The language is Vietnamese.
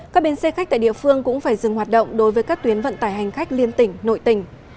các bến xe khách tại địa phương cũng phải dừng hoạt động đối với các tuyến vận tải hành khách liên tỉnh nội tỉnh